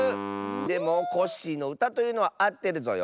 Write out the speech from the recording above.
でもコッシーのうたというのはあってるぞよ。